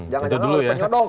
jangan jangan oleh penyodok